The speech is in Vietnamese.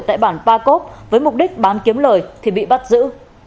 tại bản pacop với mục đích bán kiếm lời thì bị bắt giữ